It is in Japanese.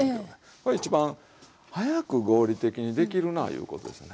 これ一番早く合理的にできるないうことですね。